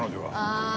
ああ！